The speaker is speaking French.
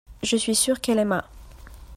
je suis sûr qu'elle aima.